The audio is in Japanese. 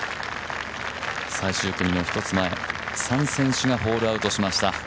最終組の１つ前、３選手がホールアウトしました。